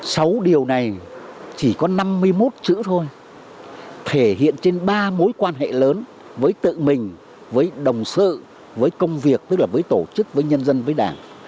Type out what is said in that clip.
sáu điều này chỉ có năm mươi một chữ thôi thể hiện trên ba mối quan hệ lớn với tự mình với đồng sự với công việc tức là với tổ chức với nhân dân với đảng